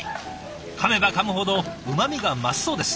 かめばかむほどうまみが増すそうです。